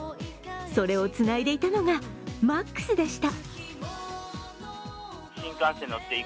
それをつないでいたのがＭａｘでした。